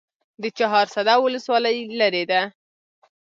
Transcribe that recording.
د چهارسده ولسوالۍ لیرې ده